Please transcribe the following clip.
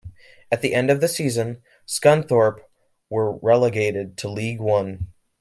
At the end of the season, Scunthorpe were relegated to League One.